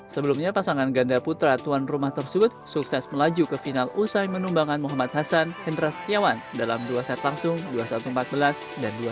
sebelumnya pasangan ganda putra tuan rumah tersebut sukses melaju ke final usai menumbangkan muhammad hasan hendra setiawan dalam dua set langsung dua puluh satu empat belas dan dua belas